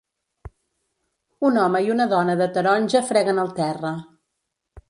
Un home i una dona de taronja freguen el terra.